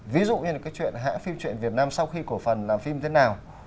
ví dụ như là cái chuyện hãng phim truyện việt nam sau khi cổ phần làm phim thế nào